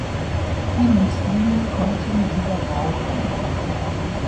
Die Muslime konnten wieder rauchen.